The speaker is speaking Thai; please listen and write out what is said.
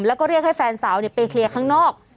แล้วก็เรียกให้แฟนสาวไปเคลียร์ข้างนอก